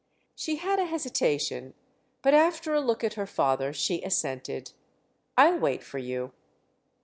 She had an hesitation, but after a look at her father she assented. "I'll wait for you."